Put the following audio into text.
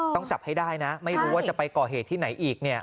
ต้องจับให้ได้นะไม่รู้ว่าจะไปก่อเหตุที่ไหนอีกเนี่ย